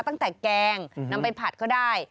ตั้งแต่แกงนำไปผัดก็ได้